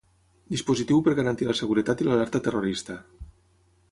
Dispositiu per garantir la seguretat i l'alerta terrorista.